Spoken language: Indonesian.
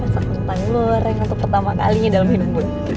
masak kentang goreng untuk pertama kalinya dalam hidung gue